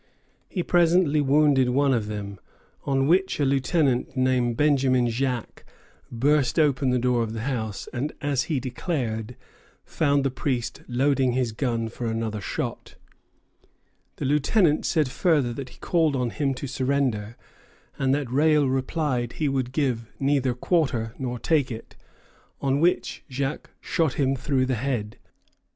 He presently wounded one of them, on which a lieutenant named Benjamin Jaques burst open the door of the house, and, as he declared, found the priest loading his gun for another shot. The lieutenant said further that he called on him to surrender, and that Rale replied that he would neither give quarter nor take it; on which Jaques shot him through the head.